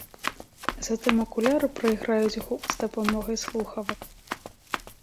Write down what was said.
Затым акуляры прайграюць гук з дапамогай слухавак.